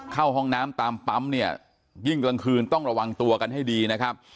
เข้าห้องน้ำตามปั๊มเนี่ยยิ่งกลางคืนต้องระวังตัวกันให้ดีนะครับ